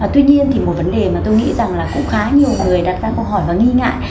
tuy nhiên thì một vấn đề mà tôi nghĩ rằng là cũng khá nhiều người đặt ra câu hỏi và nghi ngại